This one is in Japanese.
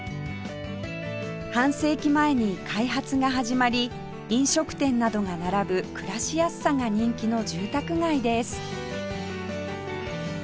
半世紀前に開発が始まり飲食店などが並ぶ暮らしやすさが人気の住宅街です